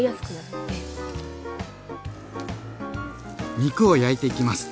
肉を焼いていきます。